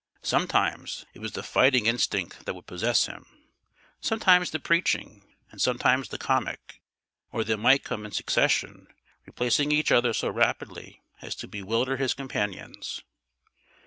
Sometimes it was the fighting instinct that would possess him, sometimes the preaching, and sometimes the comic, or they might come in succession, replacing each other so rapidly as to bewilder his companions.